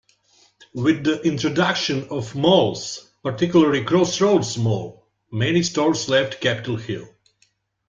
With the introduction of malls, particularly Crossroads Mall, many stores left Capitol Hill.